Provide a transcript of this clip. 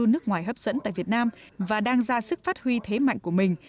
nước ngoài hấp dẫn tại việt nam và đang ra sức phát huy thế mạnh của mình